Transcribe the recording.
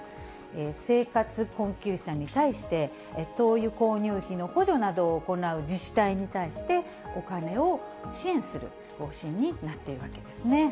生活困窮者に対して、灯油購入費の補助などを行う自治体に対して、お金を支援する方針になっているわけですね。